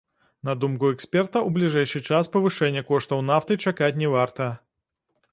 На думку эксперта, у бліжэйшы час павышэння коштаў нафты чакаць не варта.